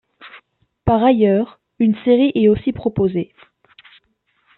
Par ailleurs, une série est aussi proposée.